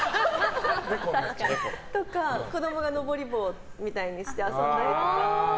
子供が登り棒みたいにして遊んだりとか。